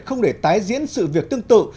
không để tái diễn sự việc tương tự